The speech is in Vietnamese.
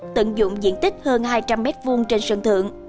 tận dụng diện tích hơn hai trăm linh m hai trên sân thượng